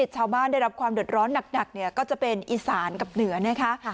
ชาวบ้านได้รับความเดือดร้อนหนักเนี่ยก็จะเป็นอีสานกับเหนือนะคะ